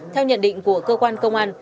theo nhận định của cơ quan công an